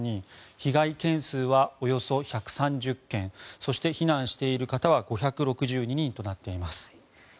被害軒数はおよそ１３０軒そして避難している方は５６２人となっています。